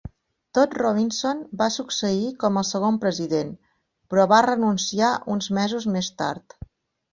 Todd Robinson va succeir com el segon president, però va renunciar uns mesos més tard.